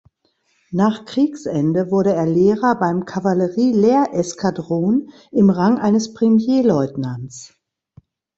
Nach Kriegsende wurde er Lehrer beim Kavallerie-Lehr-Eskadron im Rang eines Premierleutnants.